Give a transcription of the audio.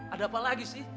ada apa lagi sih